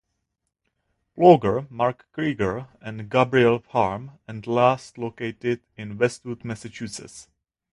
Plauger, Mark Krieger and Gabriel Pham, and last located in Westford, Massachusetts.